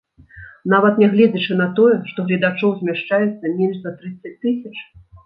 Нават нягледзячы на тое, што гледачоў змяшчаецца менш за трыццаць тысяч?